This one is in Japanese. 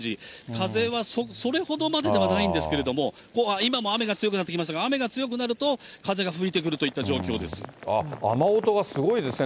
風はそれほどまででもないんですけれども、今も雨が強くなってきましたが、雨が強くなると、雨音がすごいですね。